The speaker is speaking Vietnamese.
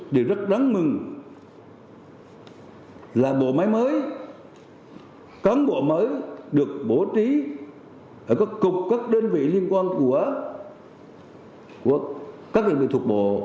điều rất đáng mừng là bộ máy mới cán bộ mới được bổ trí ở các cục các đơn vị liên quan của các đơn vị thuộc bộ